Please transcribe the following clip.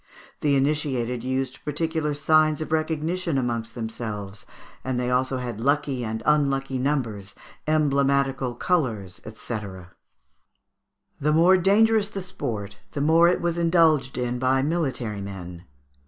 The initiated used particular signs of recognition amongst themselves, and they also had lucky and unlucky numbers, emblematical colours, &c. The more dangerous the sport the more it was indulged in by military men.